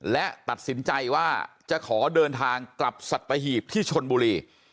และตัดสินใจว่าจะขอเดินทางกลับสัตหีบที่ชนบุรี